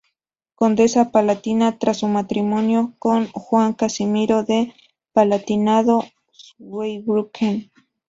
Condesa palatina tras su matrimonio con Juan Casimiro del Palatinado-Zweibrücken.